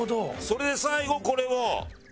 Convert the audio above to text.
それで最後これを。